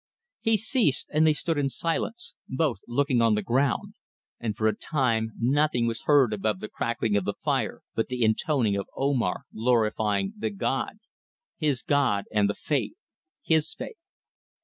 He ceased and they stood in silence, both looking on the ground, and for a time nothing was heard above the crackling of the fire but the intoning of Omar glorifying the God his God, and the Faith his faith.